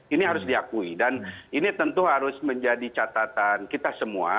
ini harus diakui dan ini tentu harus menjadi catatan kita semua